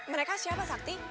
mereka siapa sakti